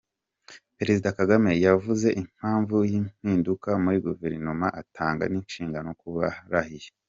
Perezida Kagame yavuze impamvu y’impinduka muri Guverinoma ,atanga n’inshingano ku barahiye.